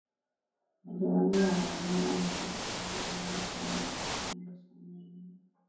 Majimaji ya manjano hafifu karibu na moyo sehemu ya kifuani na sehemu ya nyuma